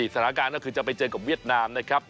สถานการณ์ก็คือจะไปเจอกับเวียดนามนะครับ